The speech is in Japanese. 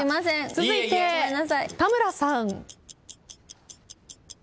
続いて田村さん。